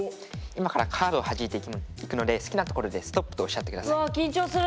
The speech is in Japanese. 今からカードをはじいていくので好きなところでストップとおっしゃって下さい。